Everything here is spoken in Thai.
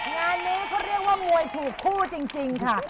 งานนี้เขาเรียกว่ามวยถูกคู่จริงค่ะ